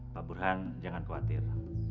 pak burhan jangan khawatir